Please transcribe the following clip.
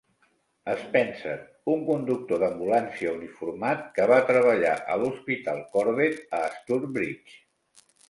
Spencer, un conductor d'ambulància uniformat que va treballar a l'Hospital Corbett a Stourbridge.